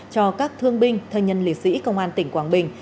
cho các thương binh thân nhân liệt sĩ công an tỉnh quảng bình